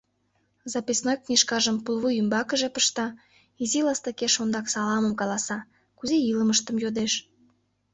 Записной книжкажым пулвуй ӱмбакыже пышта, изи ластыкеш ондак саламым каласа, кузе илымыштым йодеш.